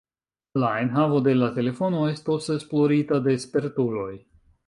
La enhavo de la telefono estos esplorita de spertuloj.